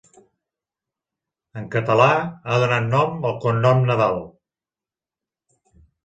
En català, ha donat nom al cognom Nadal.